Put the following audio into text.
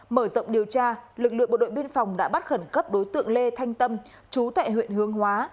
mở rộng điều tra lực lượng bộ đội biên phòng đã bắt khẩn cấp đối tượng lê thanh tâm chú tại huyện hương hóa